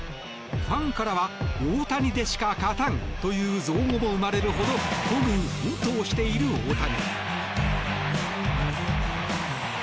ファンからは大谷しか勝たんという造語も生まれるほど孤軍奮闘している大谷。